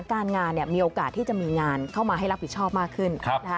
การงานมีโอกาสที่จะมีงานเข้ามาให้รับผิดชอบมากขึ้น